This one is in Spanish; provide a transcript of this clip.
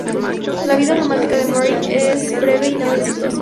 La vida romántica de Mary es breve y nada exitosa.